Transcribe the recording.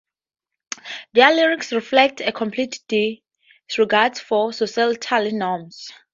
Their lyrics reflect a complete disregard for societal norms.